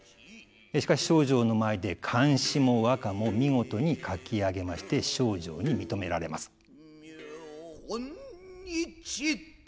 しかし丞相の前で漢詩も和歌も見事に書き上げまして丞相に認められます。